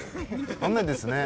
雨ですね。